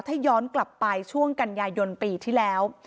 ถ้าย้อนกลับไปช่วงกันยายนปีที่แล้ว